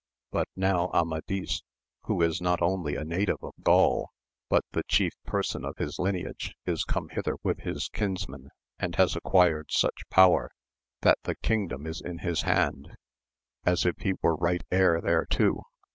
But now Amadis, who is not only a native of Gaul, but the chief person of his lineage, is come hither with his kinsmen, and has acquired such power that the kingdom is in his hand, as if he were right heir thereto.